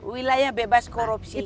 wilayah bebas korupsi